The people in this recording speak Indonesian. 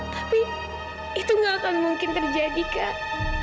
tapi itu gak akan mungkin terjadi kak